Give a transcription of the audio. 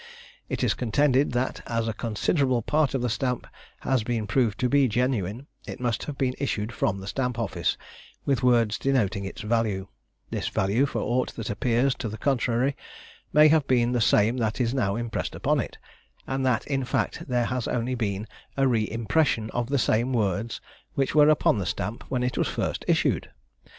It is contended, that as a considerable part of the stamp has been proved to be genuine, and must have been issued from the Stamp office, with words denoting its value, this value, for aught that appears to the contrary, may have been the same that is now impressed upon it, and that in fact there has only been a re impression of the same words which were upon the stamp when it was first issued.